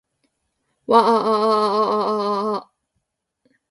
わあああああああ